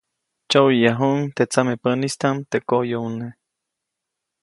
Tsyoʼyäyajuʼuŋ teʼ tsamepäʼnis teʼ koʼyoʼune.